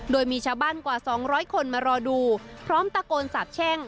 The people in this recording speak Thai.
โดยมีชาวบ้านกว่า๒๐๐คนมารอดูพร้อมตะโกนสาบแช่ง